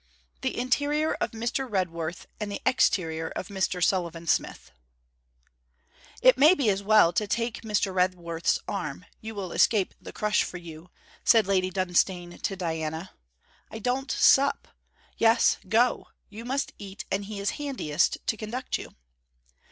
THE INTERIOR OF MR. REDWORTH, AND THE EXTERIOR OF MR. SULLIVAN SMITH 'It may be as well to take Mr. Redworth's arm; you will escape the crush for you,' said Lady Dunstane to Diana. 'I don't sup. Yes! go! You must eat, and he is handiest to conduct you.'